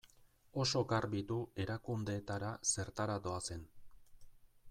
Oso garbi du erakundeetara zertara doazen.